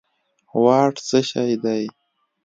واټ څه شی دي